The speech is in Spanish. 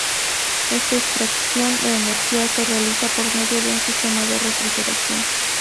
Esta extracción de energía se realiza por medio de un sistema de refrigeración.